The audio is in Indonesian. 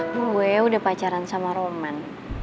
gue udah pacaran sama roman